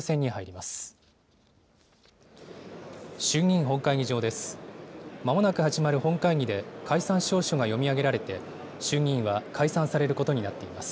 まもなく始まる本会議で、解散詔書が読み上げられて、衆議院は解散されることになっています。